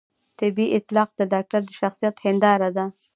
طبي اخلاق د ډاکتر د شخصیت هنداره ده